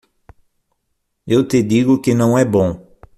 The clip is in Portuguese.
Eu te digo que não é bom.